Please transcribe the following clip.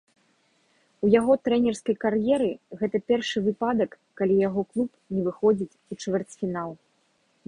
У яго трэнерскай кар'еры, гэта першы выпадак, калі яго клуб не выходзіць у чвэрцьфінал.